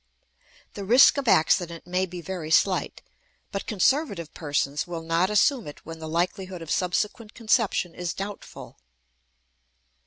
The risk of accident may be very slight, but conservative persons will not assume it when the likelihood of subsequent conception is doubtful.